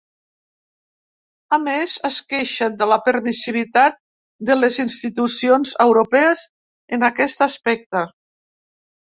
A més, es queixen de la permissivitat de les institucions europees en aquest aspecte.